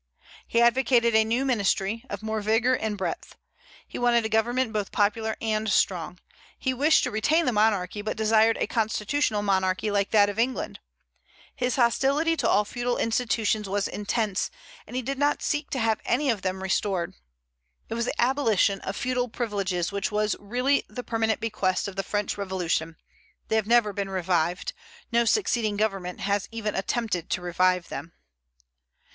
He advocated a new ministry, of more vigor and breadth. He wanted a government both popular and strong. He wished to retain the monarchy, but desired a constitutional monarchy like that of England. His hostility to all feudal institutions was intense, and he did not seek to have any of them restored. It was the abolition of feudal privileges which was really the permanent bequest of the French Revolution. They have never been revived. No succeeding government has even attempted to revive them.